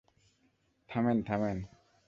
থামেন, থামেন।